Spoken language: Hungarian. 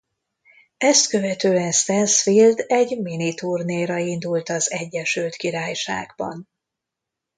Ezt követően Stansfield egy mini turnéra indult az Egyesült Királyságban.